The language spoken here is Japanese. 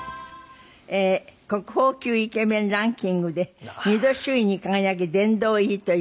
国宝級イケメンランキングで２度首位に輝き殿堂入りという事で。